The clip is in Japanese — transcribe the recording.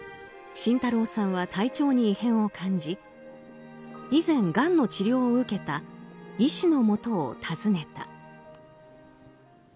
慎太郎さんは体調に異変を感じ以前、がんの治療を受けた医師のもとを訪ねた。